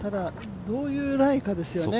どういうライかですよね。